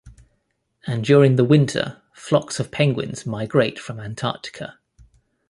And during the winter, flocks of penguins migrate from Antarctica.